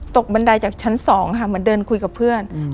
ตกบันไดจากชั้นสองค่ะมาเดินคุยกับเพื่อนอืม